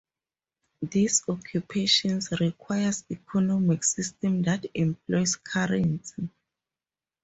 These occupations requires economic system that employs currency.